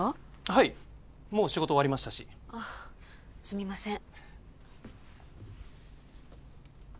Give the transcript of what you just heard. はいもう仕事終わりましたしあっすみません